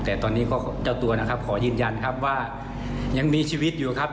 แต่ตอนนี้เจ้าตัวขอยืนยันว่ายังมีชีวิตอยู่ครับ